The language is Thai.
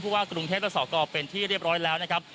ว่ากรุงเทพและสอกรเป็นที่เรียบร้อยแล้วนะครับ